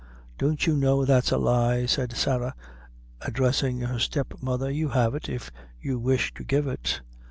"Don't you know that's a lie?" said Sarah, addressing her step mother. "You have it, if you wish to give it."